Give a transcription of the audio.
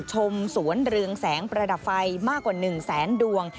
ชมสวนเรืองแสงประดับไฟมากกว่า๑แสนดวง